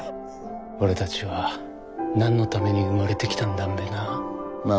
俺たちは何のために生まれてきたんだんべなぁ？